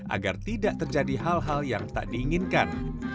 agar tidak terjadi hal hal yang tak diinginkan